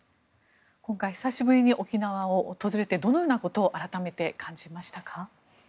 今回久しぶりに沖縄を訪れてどのようなことを感じましたか。